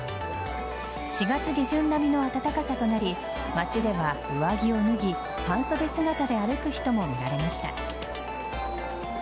４月下旬並みの暖かさとなり街では上着を脱ぎ半袖姿で歩く人も見られました。